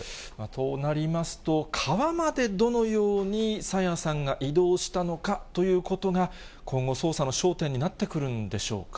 となりますと、川までどのように朝芽さんが移動したのかということが、今後、捜査の焦点になってくるんでしょうか。